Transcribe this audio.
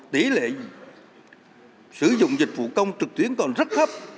tỷ lệ sử dụng dịch vụ công trực tuyến còn rất thấp